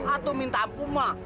aduh minta ampun mah